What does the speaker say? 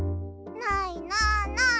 ないなあ